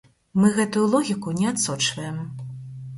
Мы гэтую логіку не адсочваем.